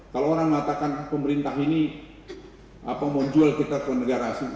kalau orang mengatakan pemerintah ini mau jual kita ke negara asing